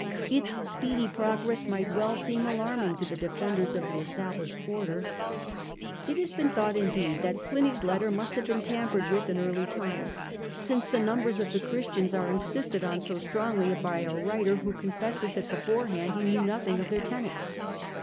Its speedy progress might well seem alarming to the defenders of the established order. It has been thought indeed that Pliny's letter must have been tampered with in early times, since the numbers of the Christians are insisted on so strongly by a writer who confesses that beforehand he knew nothing of their tenets.